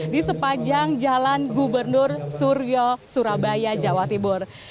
di sepanjang jalan gubernur suryo surabaya jawa timur